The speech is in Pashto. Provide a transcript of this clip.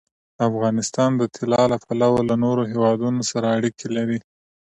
افغانستان د طلا له پلوه له نورو هېوادونو سره اړیکې لري.